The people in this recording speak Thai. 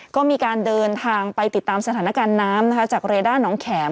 ก็มีการเดินทางไปติดตามสถานการณ์น้ำจากเรด้าน้องแข็ม